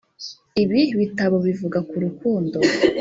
ibi bitabo bivuga ku rukundo.